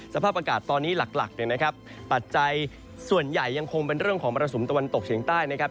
สภาพอากาศตอนนี้หลักเนี่ยนะครับปัจจัยส่วนใหญ่ยังคงเป็นเรื่องของมรสุมตะวันตกเฉียงใต้นะครับ